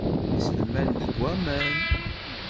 Iselman deg waman.